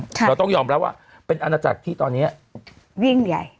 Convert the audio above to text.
เราต้องยอมรับว่าเป็นอาณาจักรที่ตอนนี้ยิ่งใหญ่